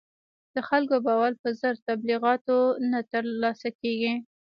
د خلکو باور په زر تبلیغاتو نه تر لاسه کېږي.